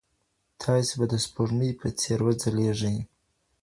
تاسې به د سپوږمۍ په څېر وځلېږئ.